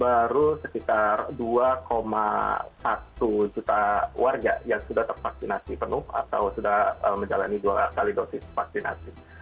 baru sekitar dua satu juta warga yang sudah tervaksinasi penuh atau sudah menjalani dua kali dosis vaksinasi